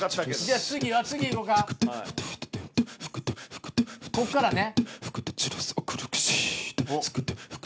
じゃあ次次いこか。こっからね。